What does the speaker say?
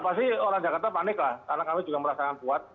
pasti orang jakarta panik lah karena kami juga merasakan kuat